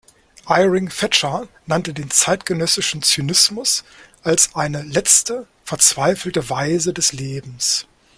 Iring Fetscher nannte den zeitgenössischen Zynismus als „eine letzte, verzweifelte Weise des Lebens“.